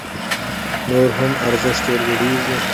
نور هم ارزښت يې لوړيږي